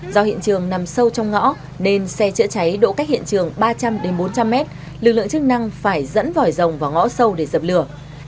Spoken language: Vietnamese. do hiện trường nằm sâu trong ngõ nên xe chữa cháy độ cách hiện trường ba trăm linh bốn trăm linh mét lực lượng chức năng phải dẫn vỏi rồng vào ngõ sâu để dập lửa